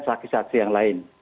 kemudian saksisasi yang lain